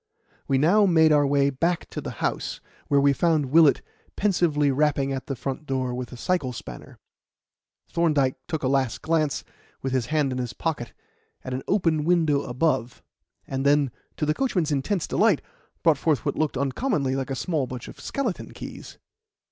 We now made our way back to the house, where we found Willett pensively rapping at the front door with a cycle spanner. Thorndyke took a last glance, with his hand in his pocket, at an open window above, and then, to the coachman's intense delight, brought forth what looked uncommonly like a small bunch of skeleton keys.